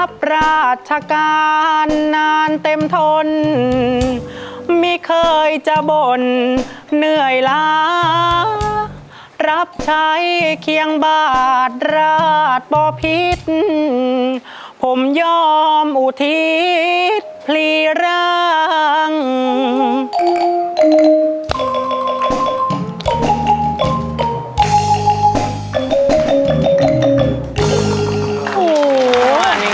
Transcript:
ราชการนานเต็มทนไม่เคยจะบ่นเหนื่อยล้ารับใช้เคียงบาทราชบ่อพิษผมยอมอุทิศพลีรัง